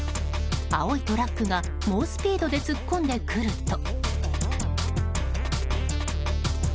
青いトラックが猛スピードで突っ込んでくると。